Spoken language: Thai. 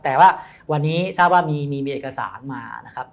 แต่วันนี้ทราบว่ามีเอกสารใหม่มา